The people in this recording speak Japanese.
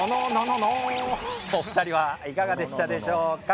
お２人はいかがでしたでしょうか？